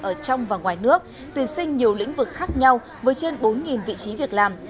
ở trong và ngoài nước tuyển sinh nhiều lĩnh vực khác nhau với trên bốn vị trí việc làm